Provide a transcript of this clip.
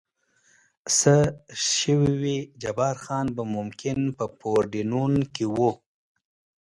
څه شوي وي، جبار خان به ممکن په پورډینون کې و.